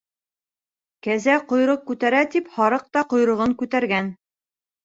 Кәзә ҡойроҡ күтәрә тип, һарыҡ та ҡойроғон күтәргән.